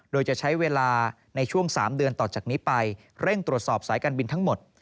โดยจะใช้เวลาในช่วง๓เดือนต่อจากนี้ไปเร่งตรวจสอบสายการบินทั้งหมด